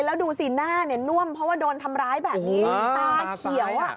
แล้วดูสิหน้าเนี่ยน่วมเพราะว่าโดนทำร้ายแบบนี้ตาเขียวอ่ะ